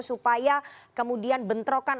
supaya kemudian bentrokan